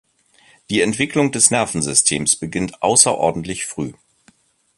Die Entwicklung des Nervensystems beginnt außerordentlich früh.